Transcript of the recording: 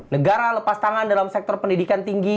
negara lepas tangan dalam sektor pendidikan tinggi